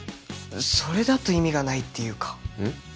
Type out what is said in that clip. それだと意味がないっていうかうん？